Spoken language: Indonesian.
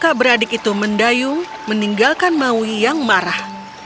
kakak beradik itu mendayung meninggalkan maui yang marah